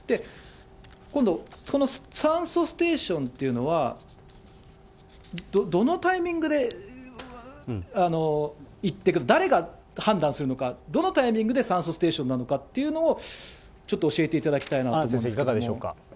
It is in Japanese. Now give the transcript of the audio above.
今度、この酸素ステーションというのは、どのタイミングで行ってください、誰が判断するのか、どのタイミングで酸素ステーションなのかというのを、ちょっと教えていただきたいなと思うんですけど。